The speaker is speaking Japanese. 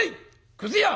くず屋！」。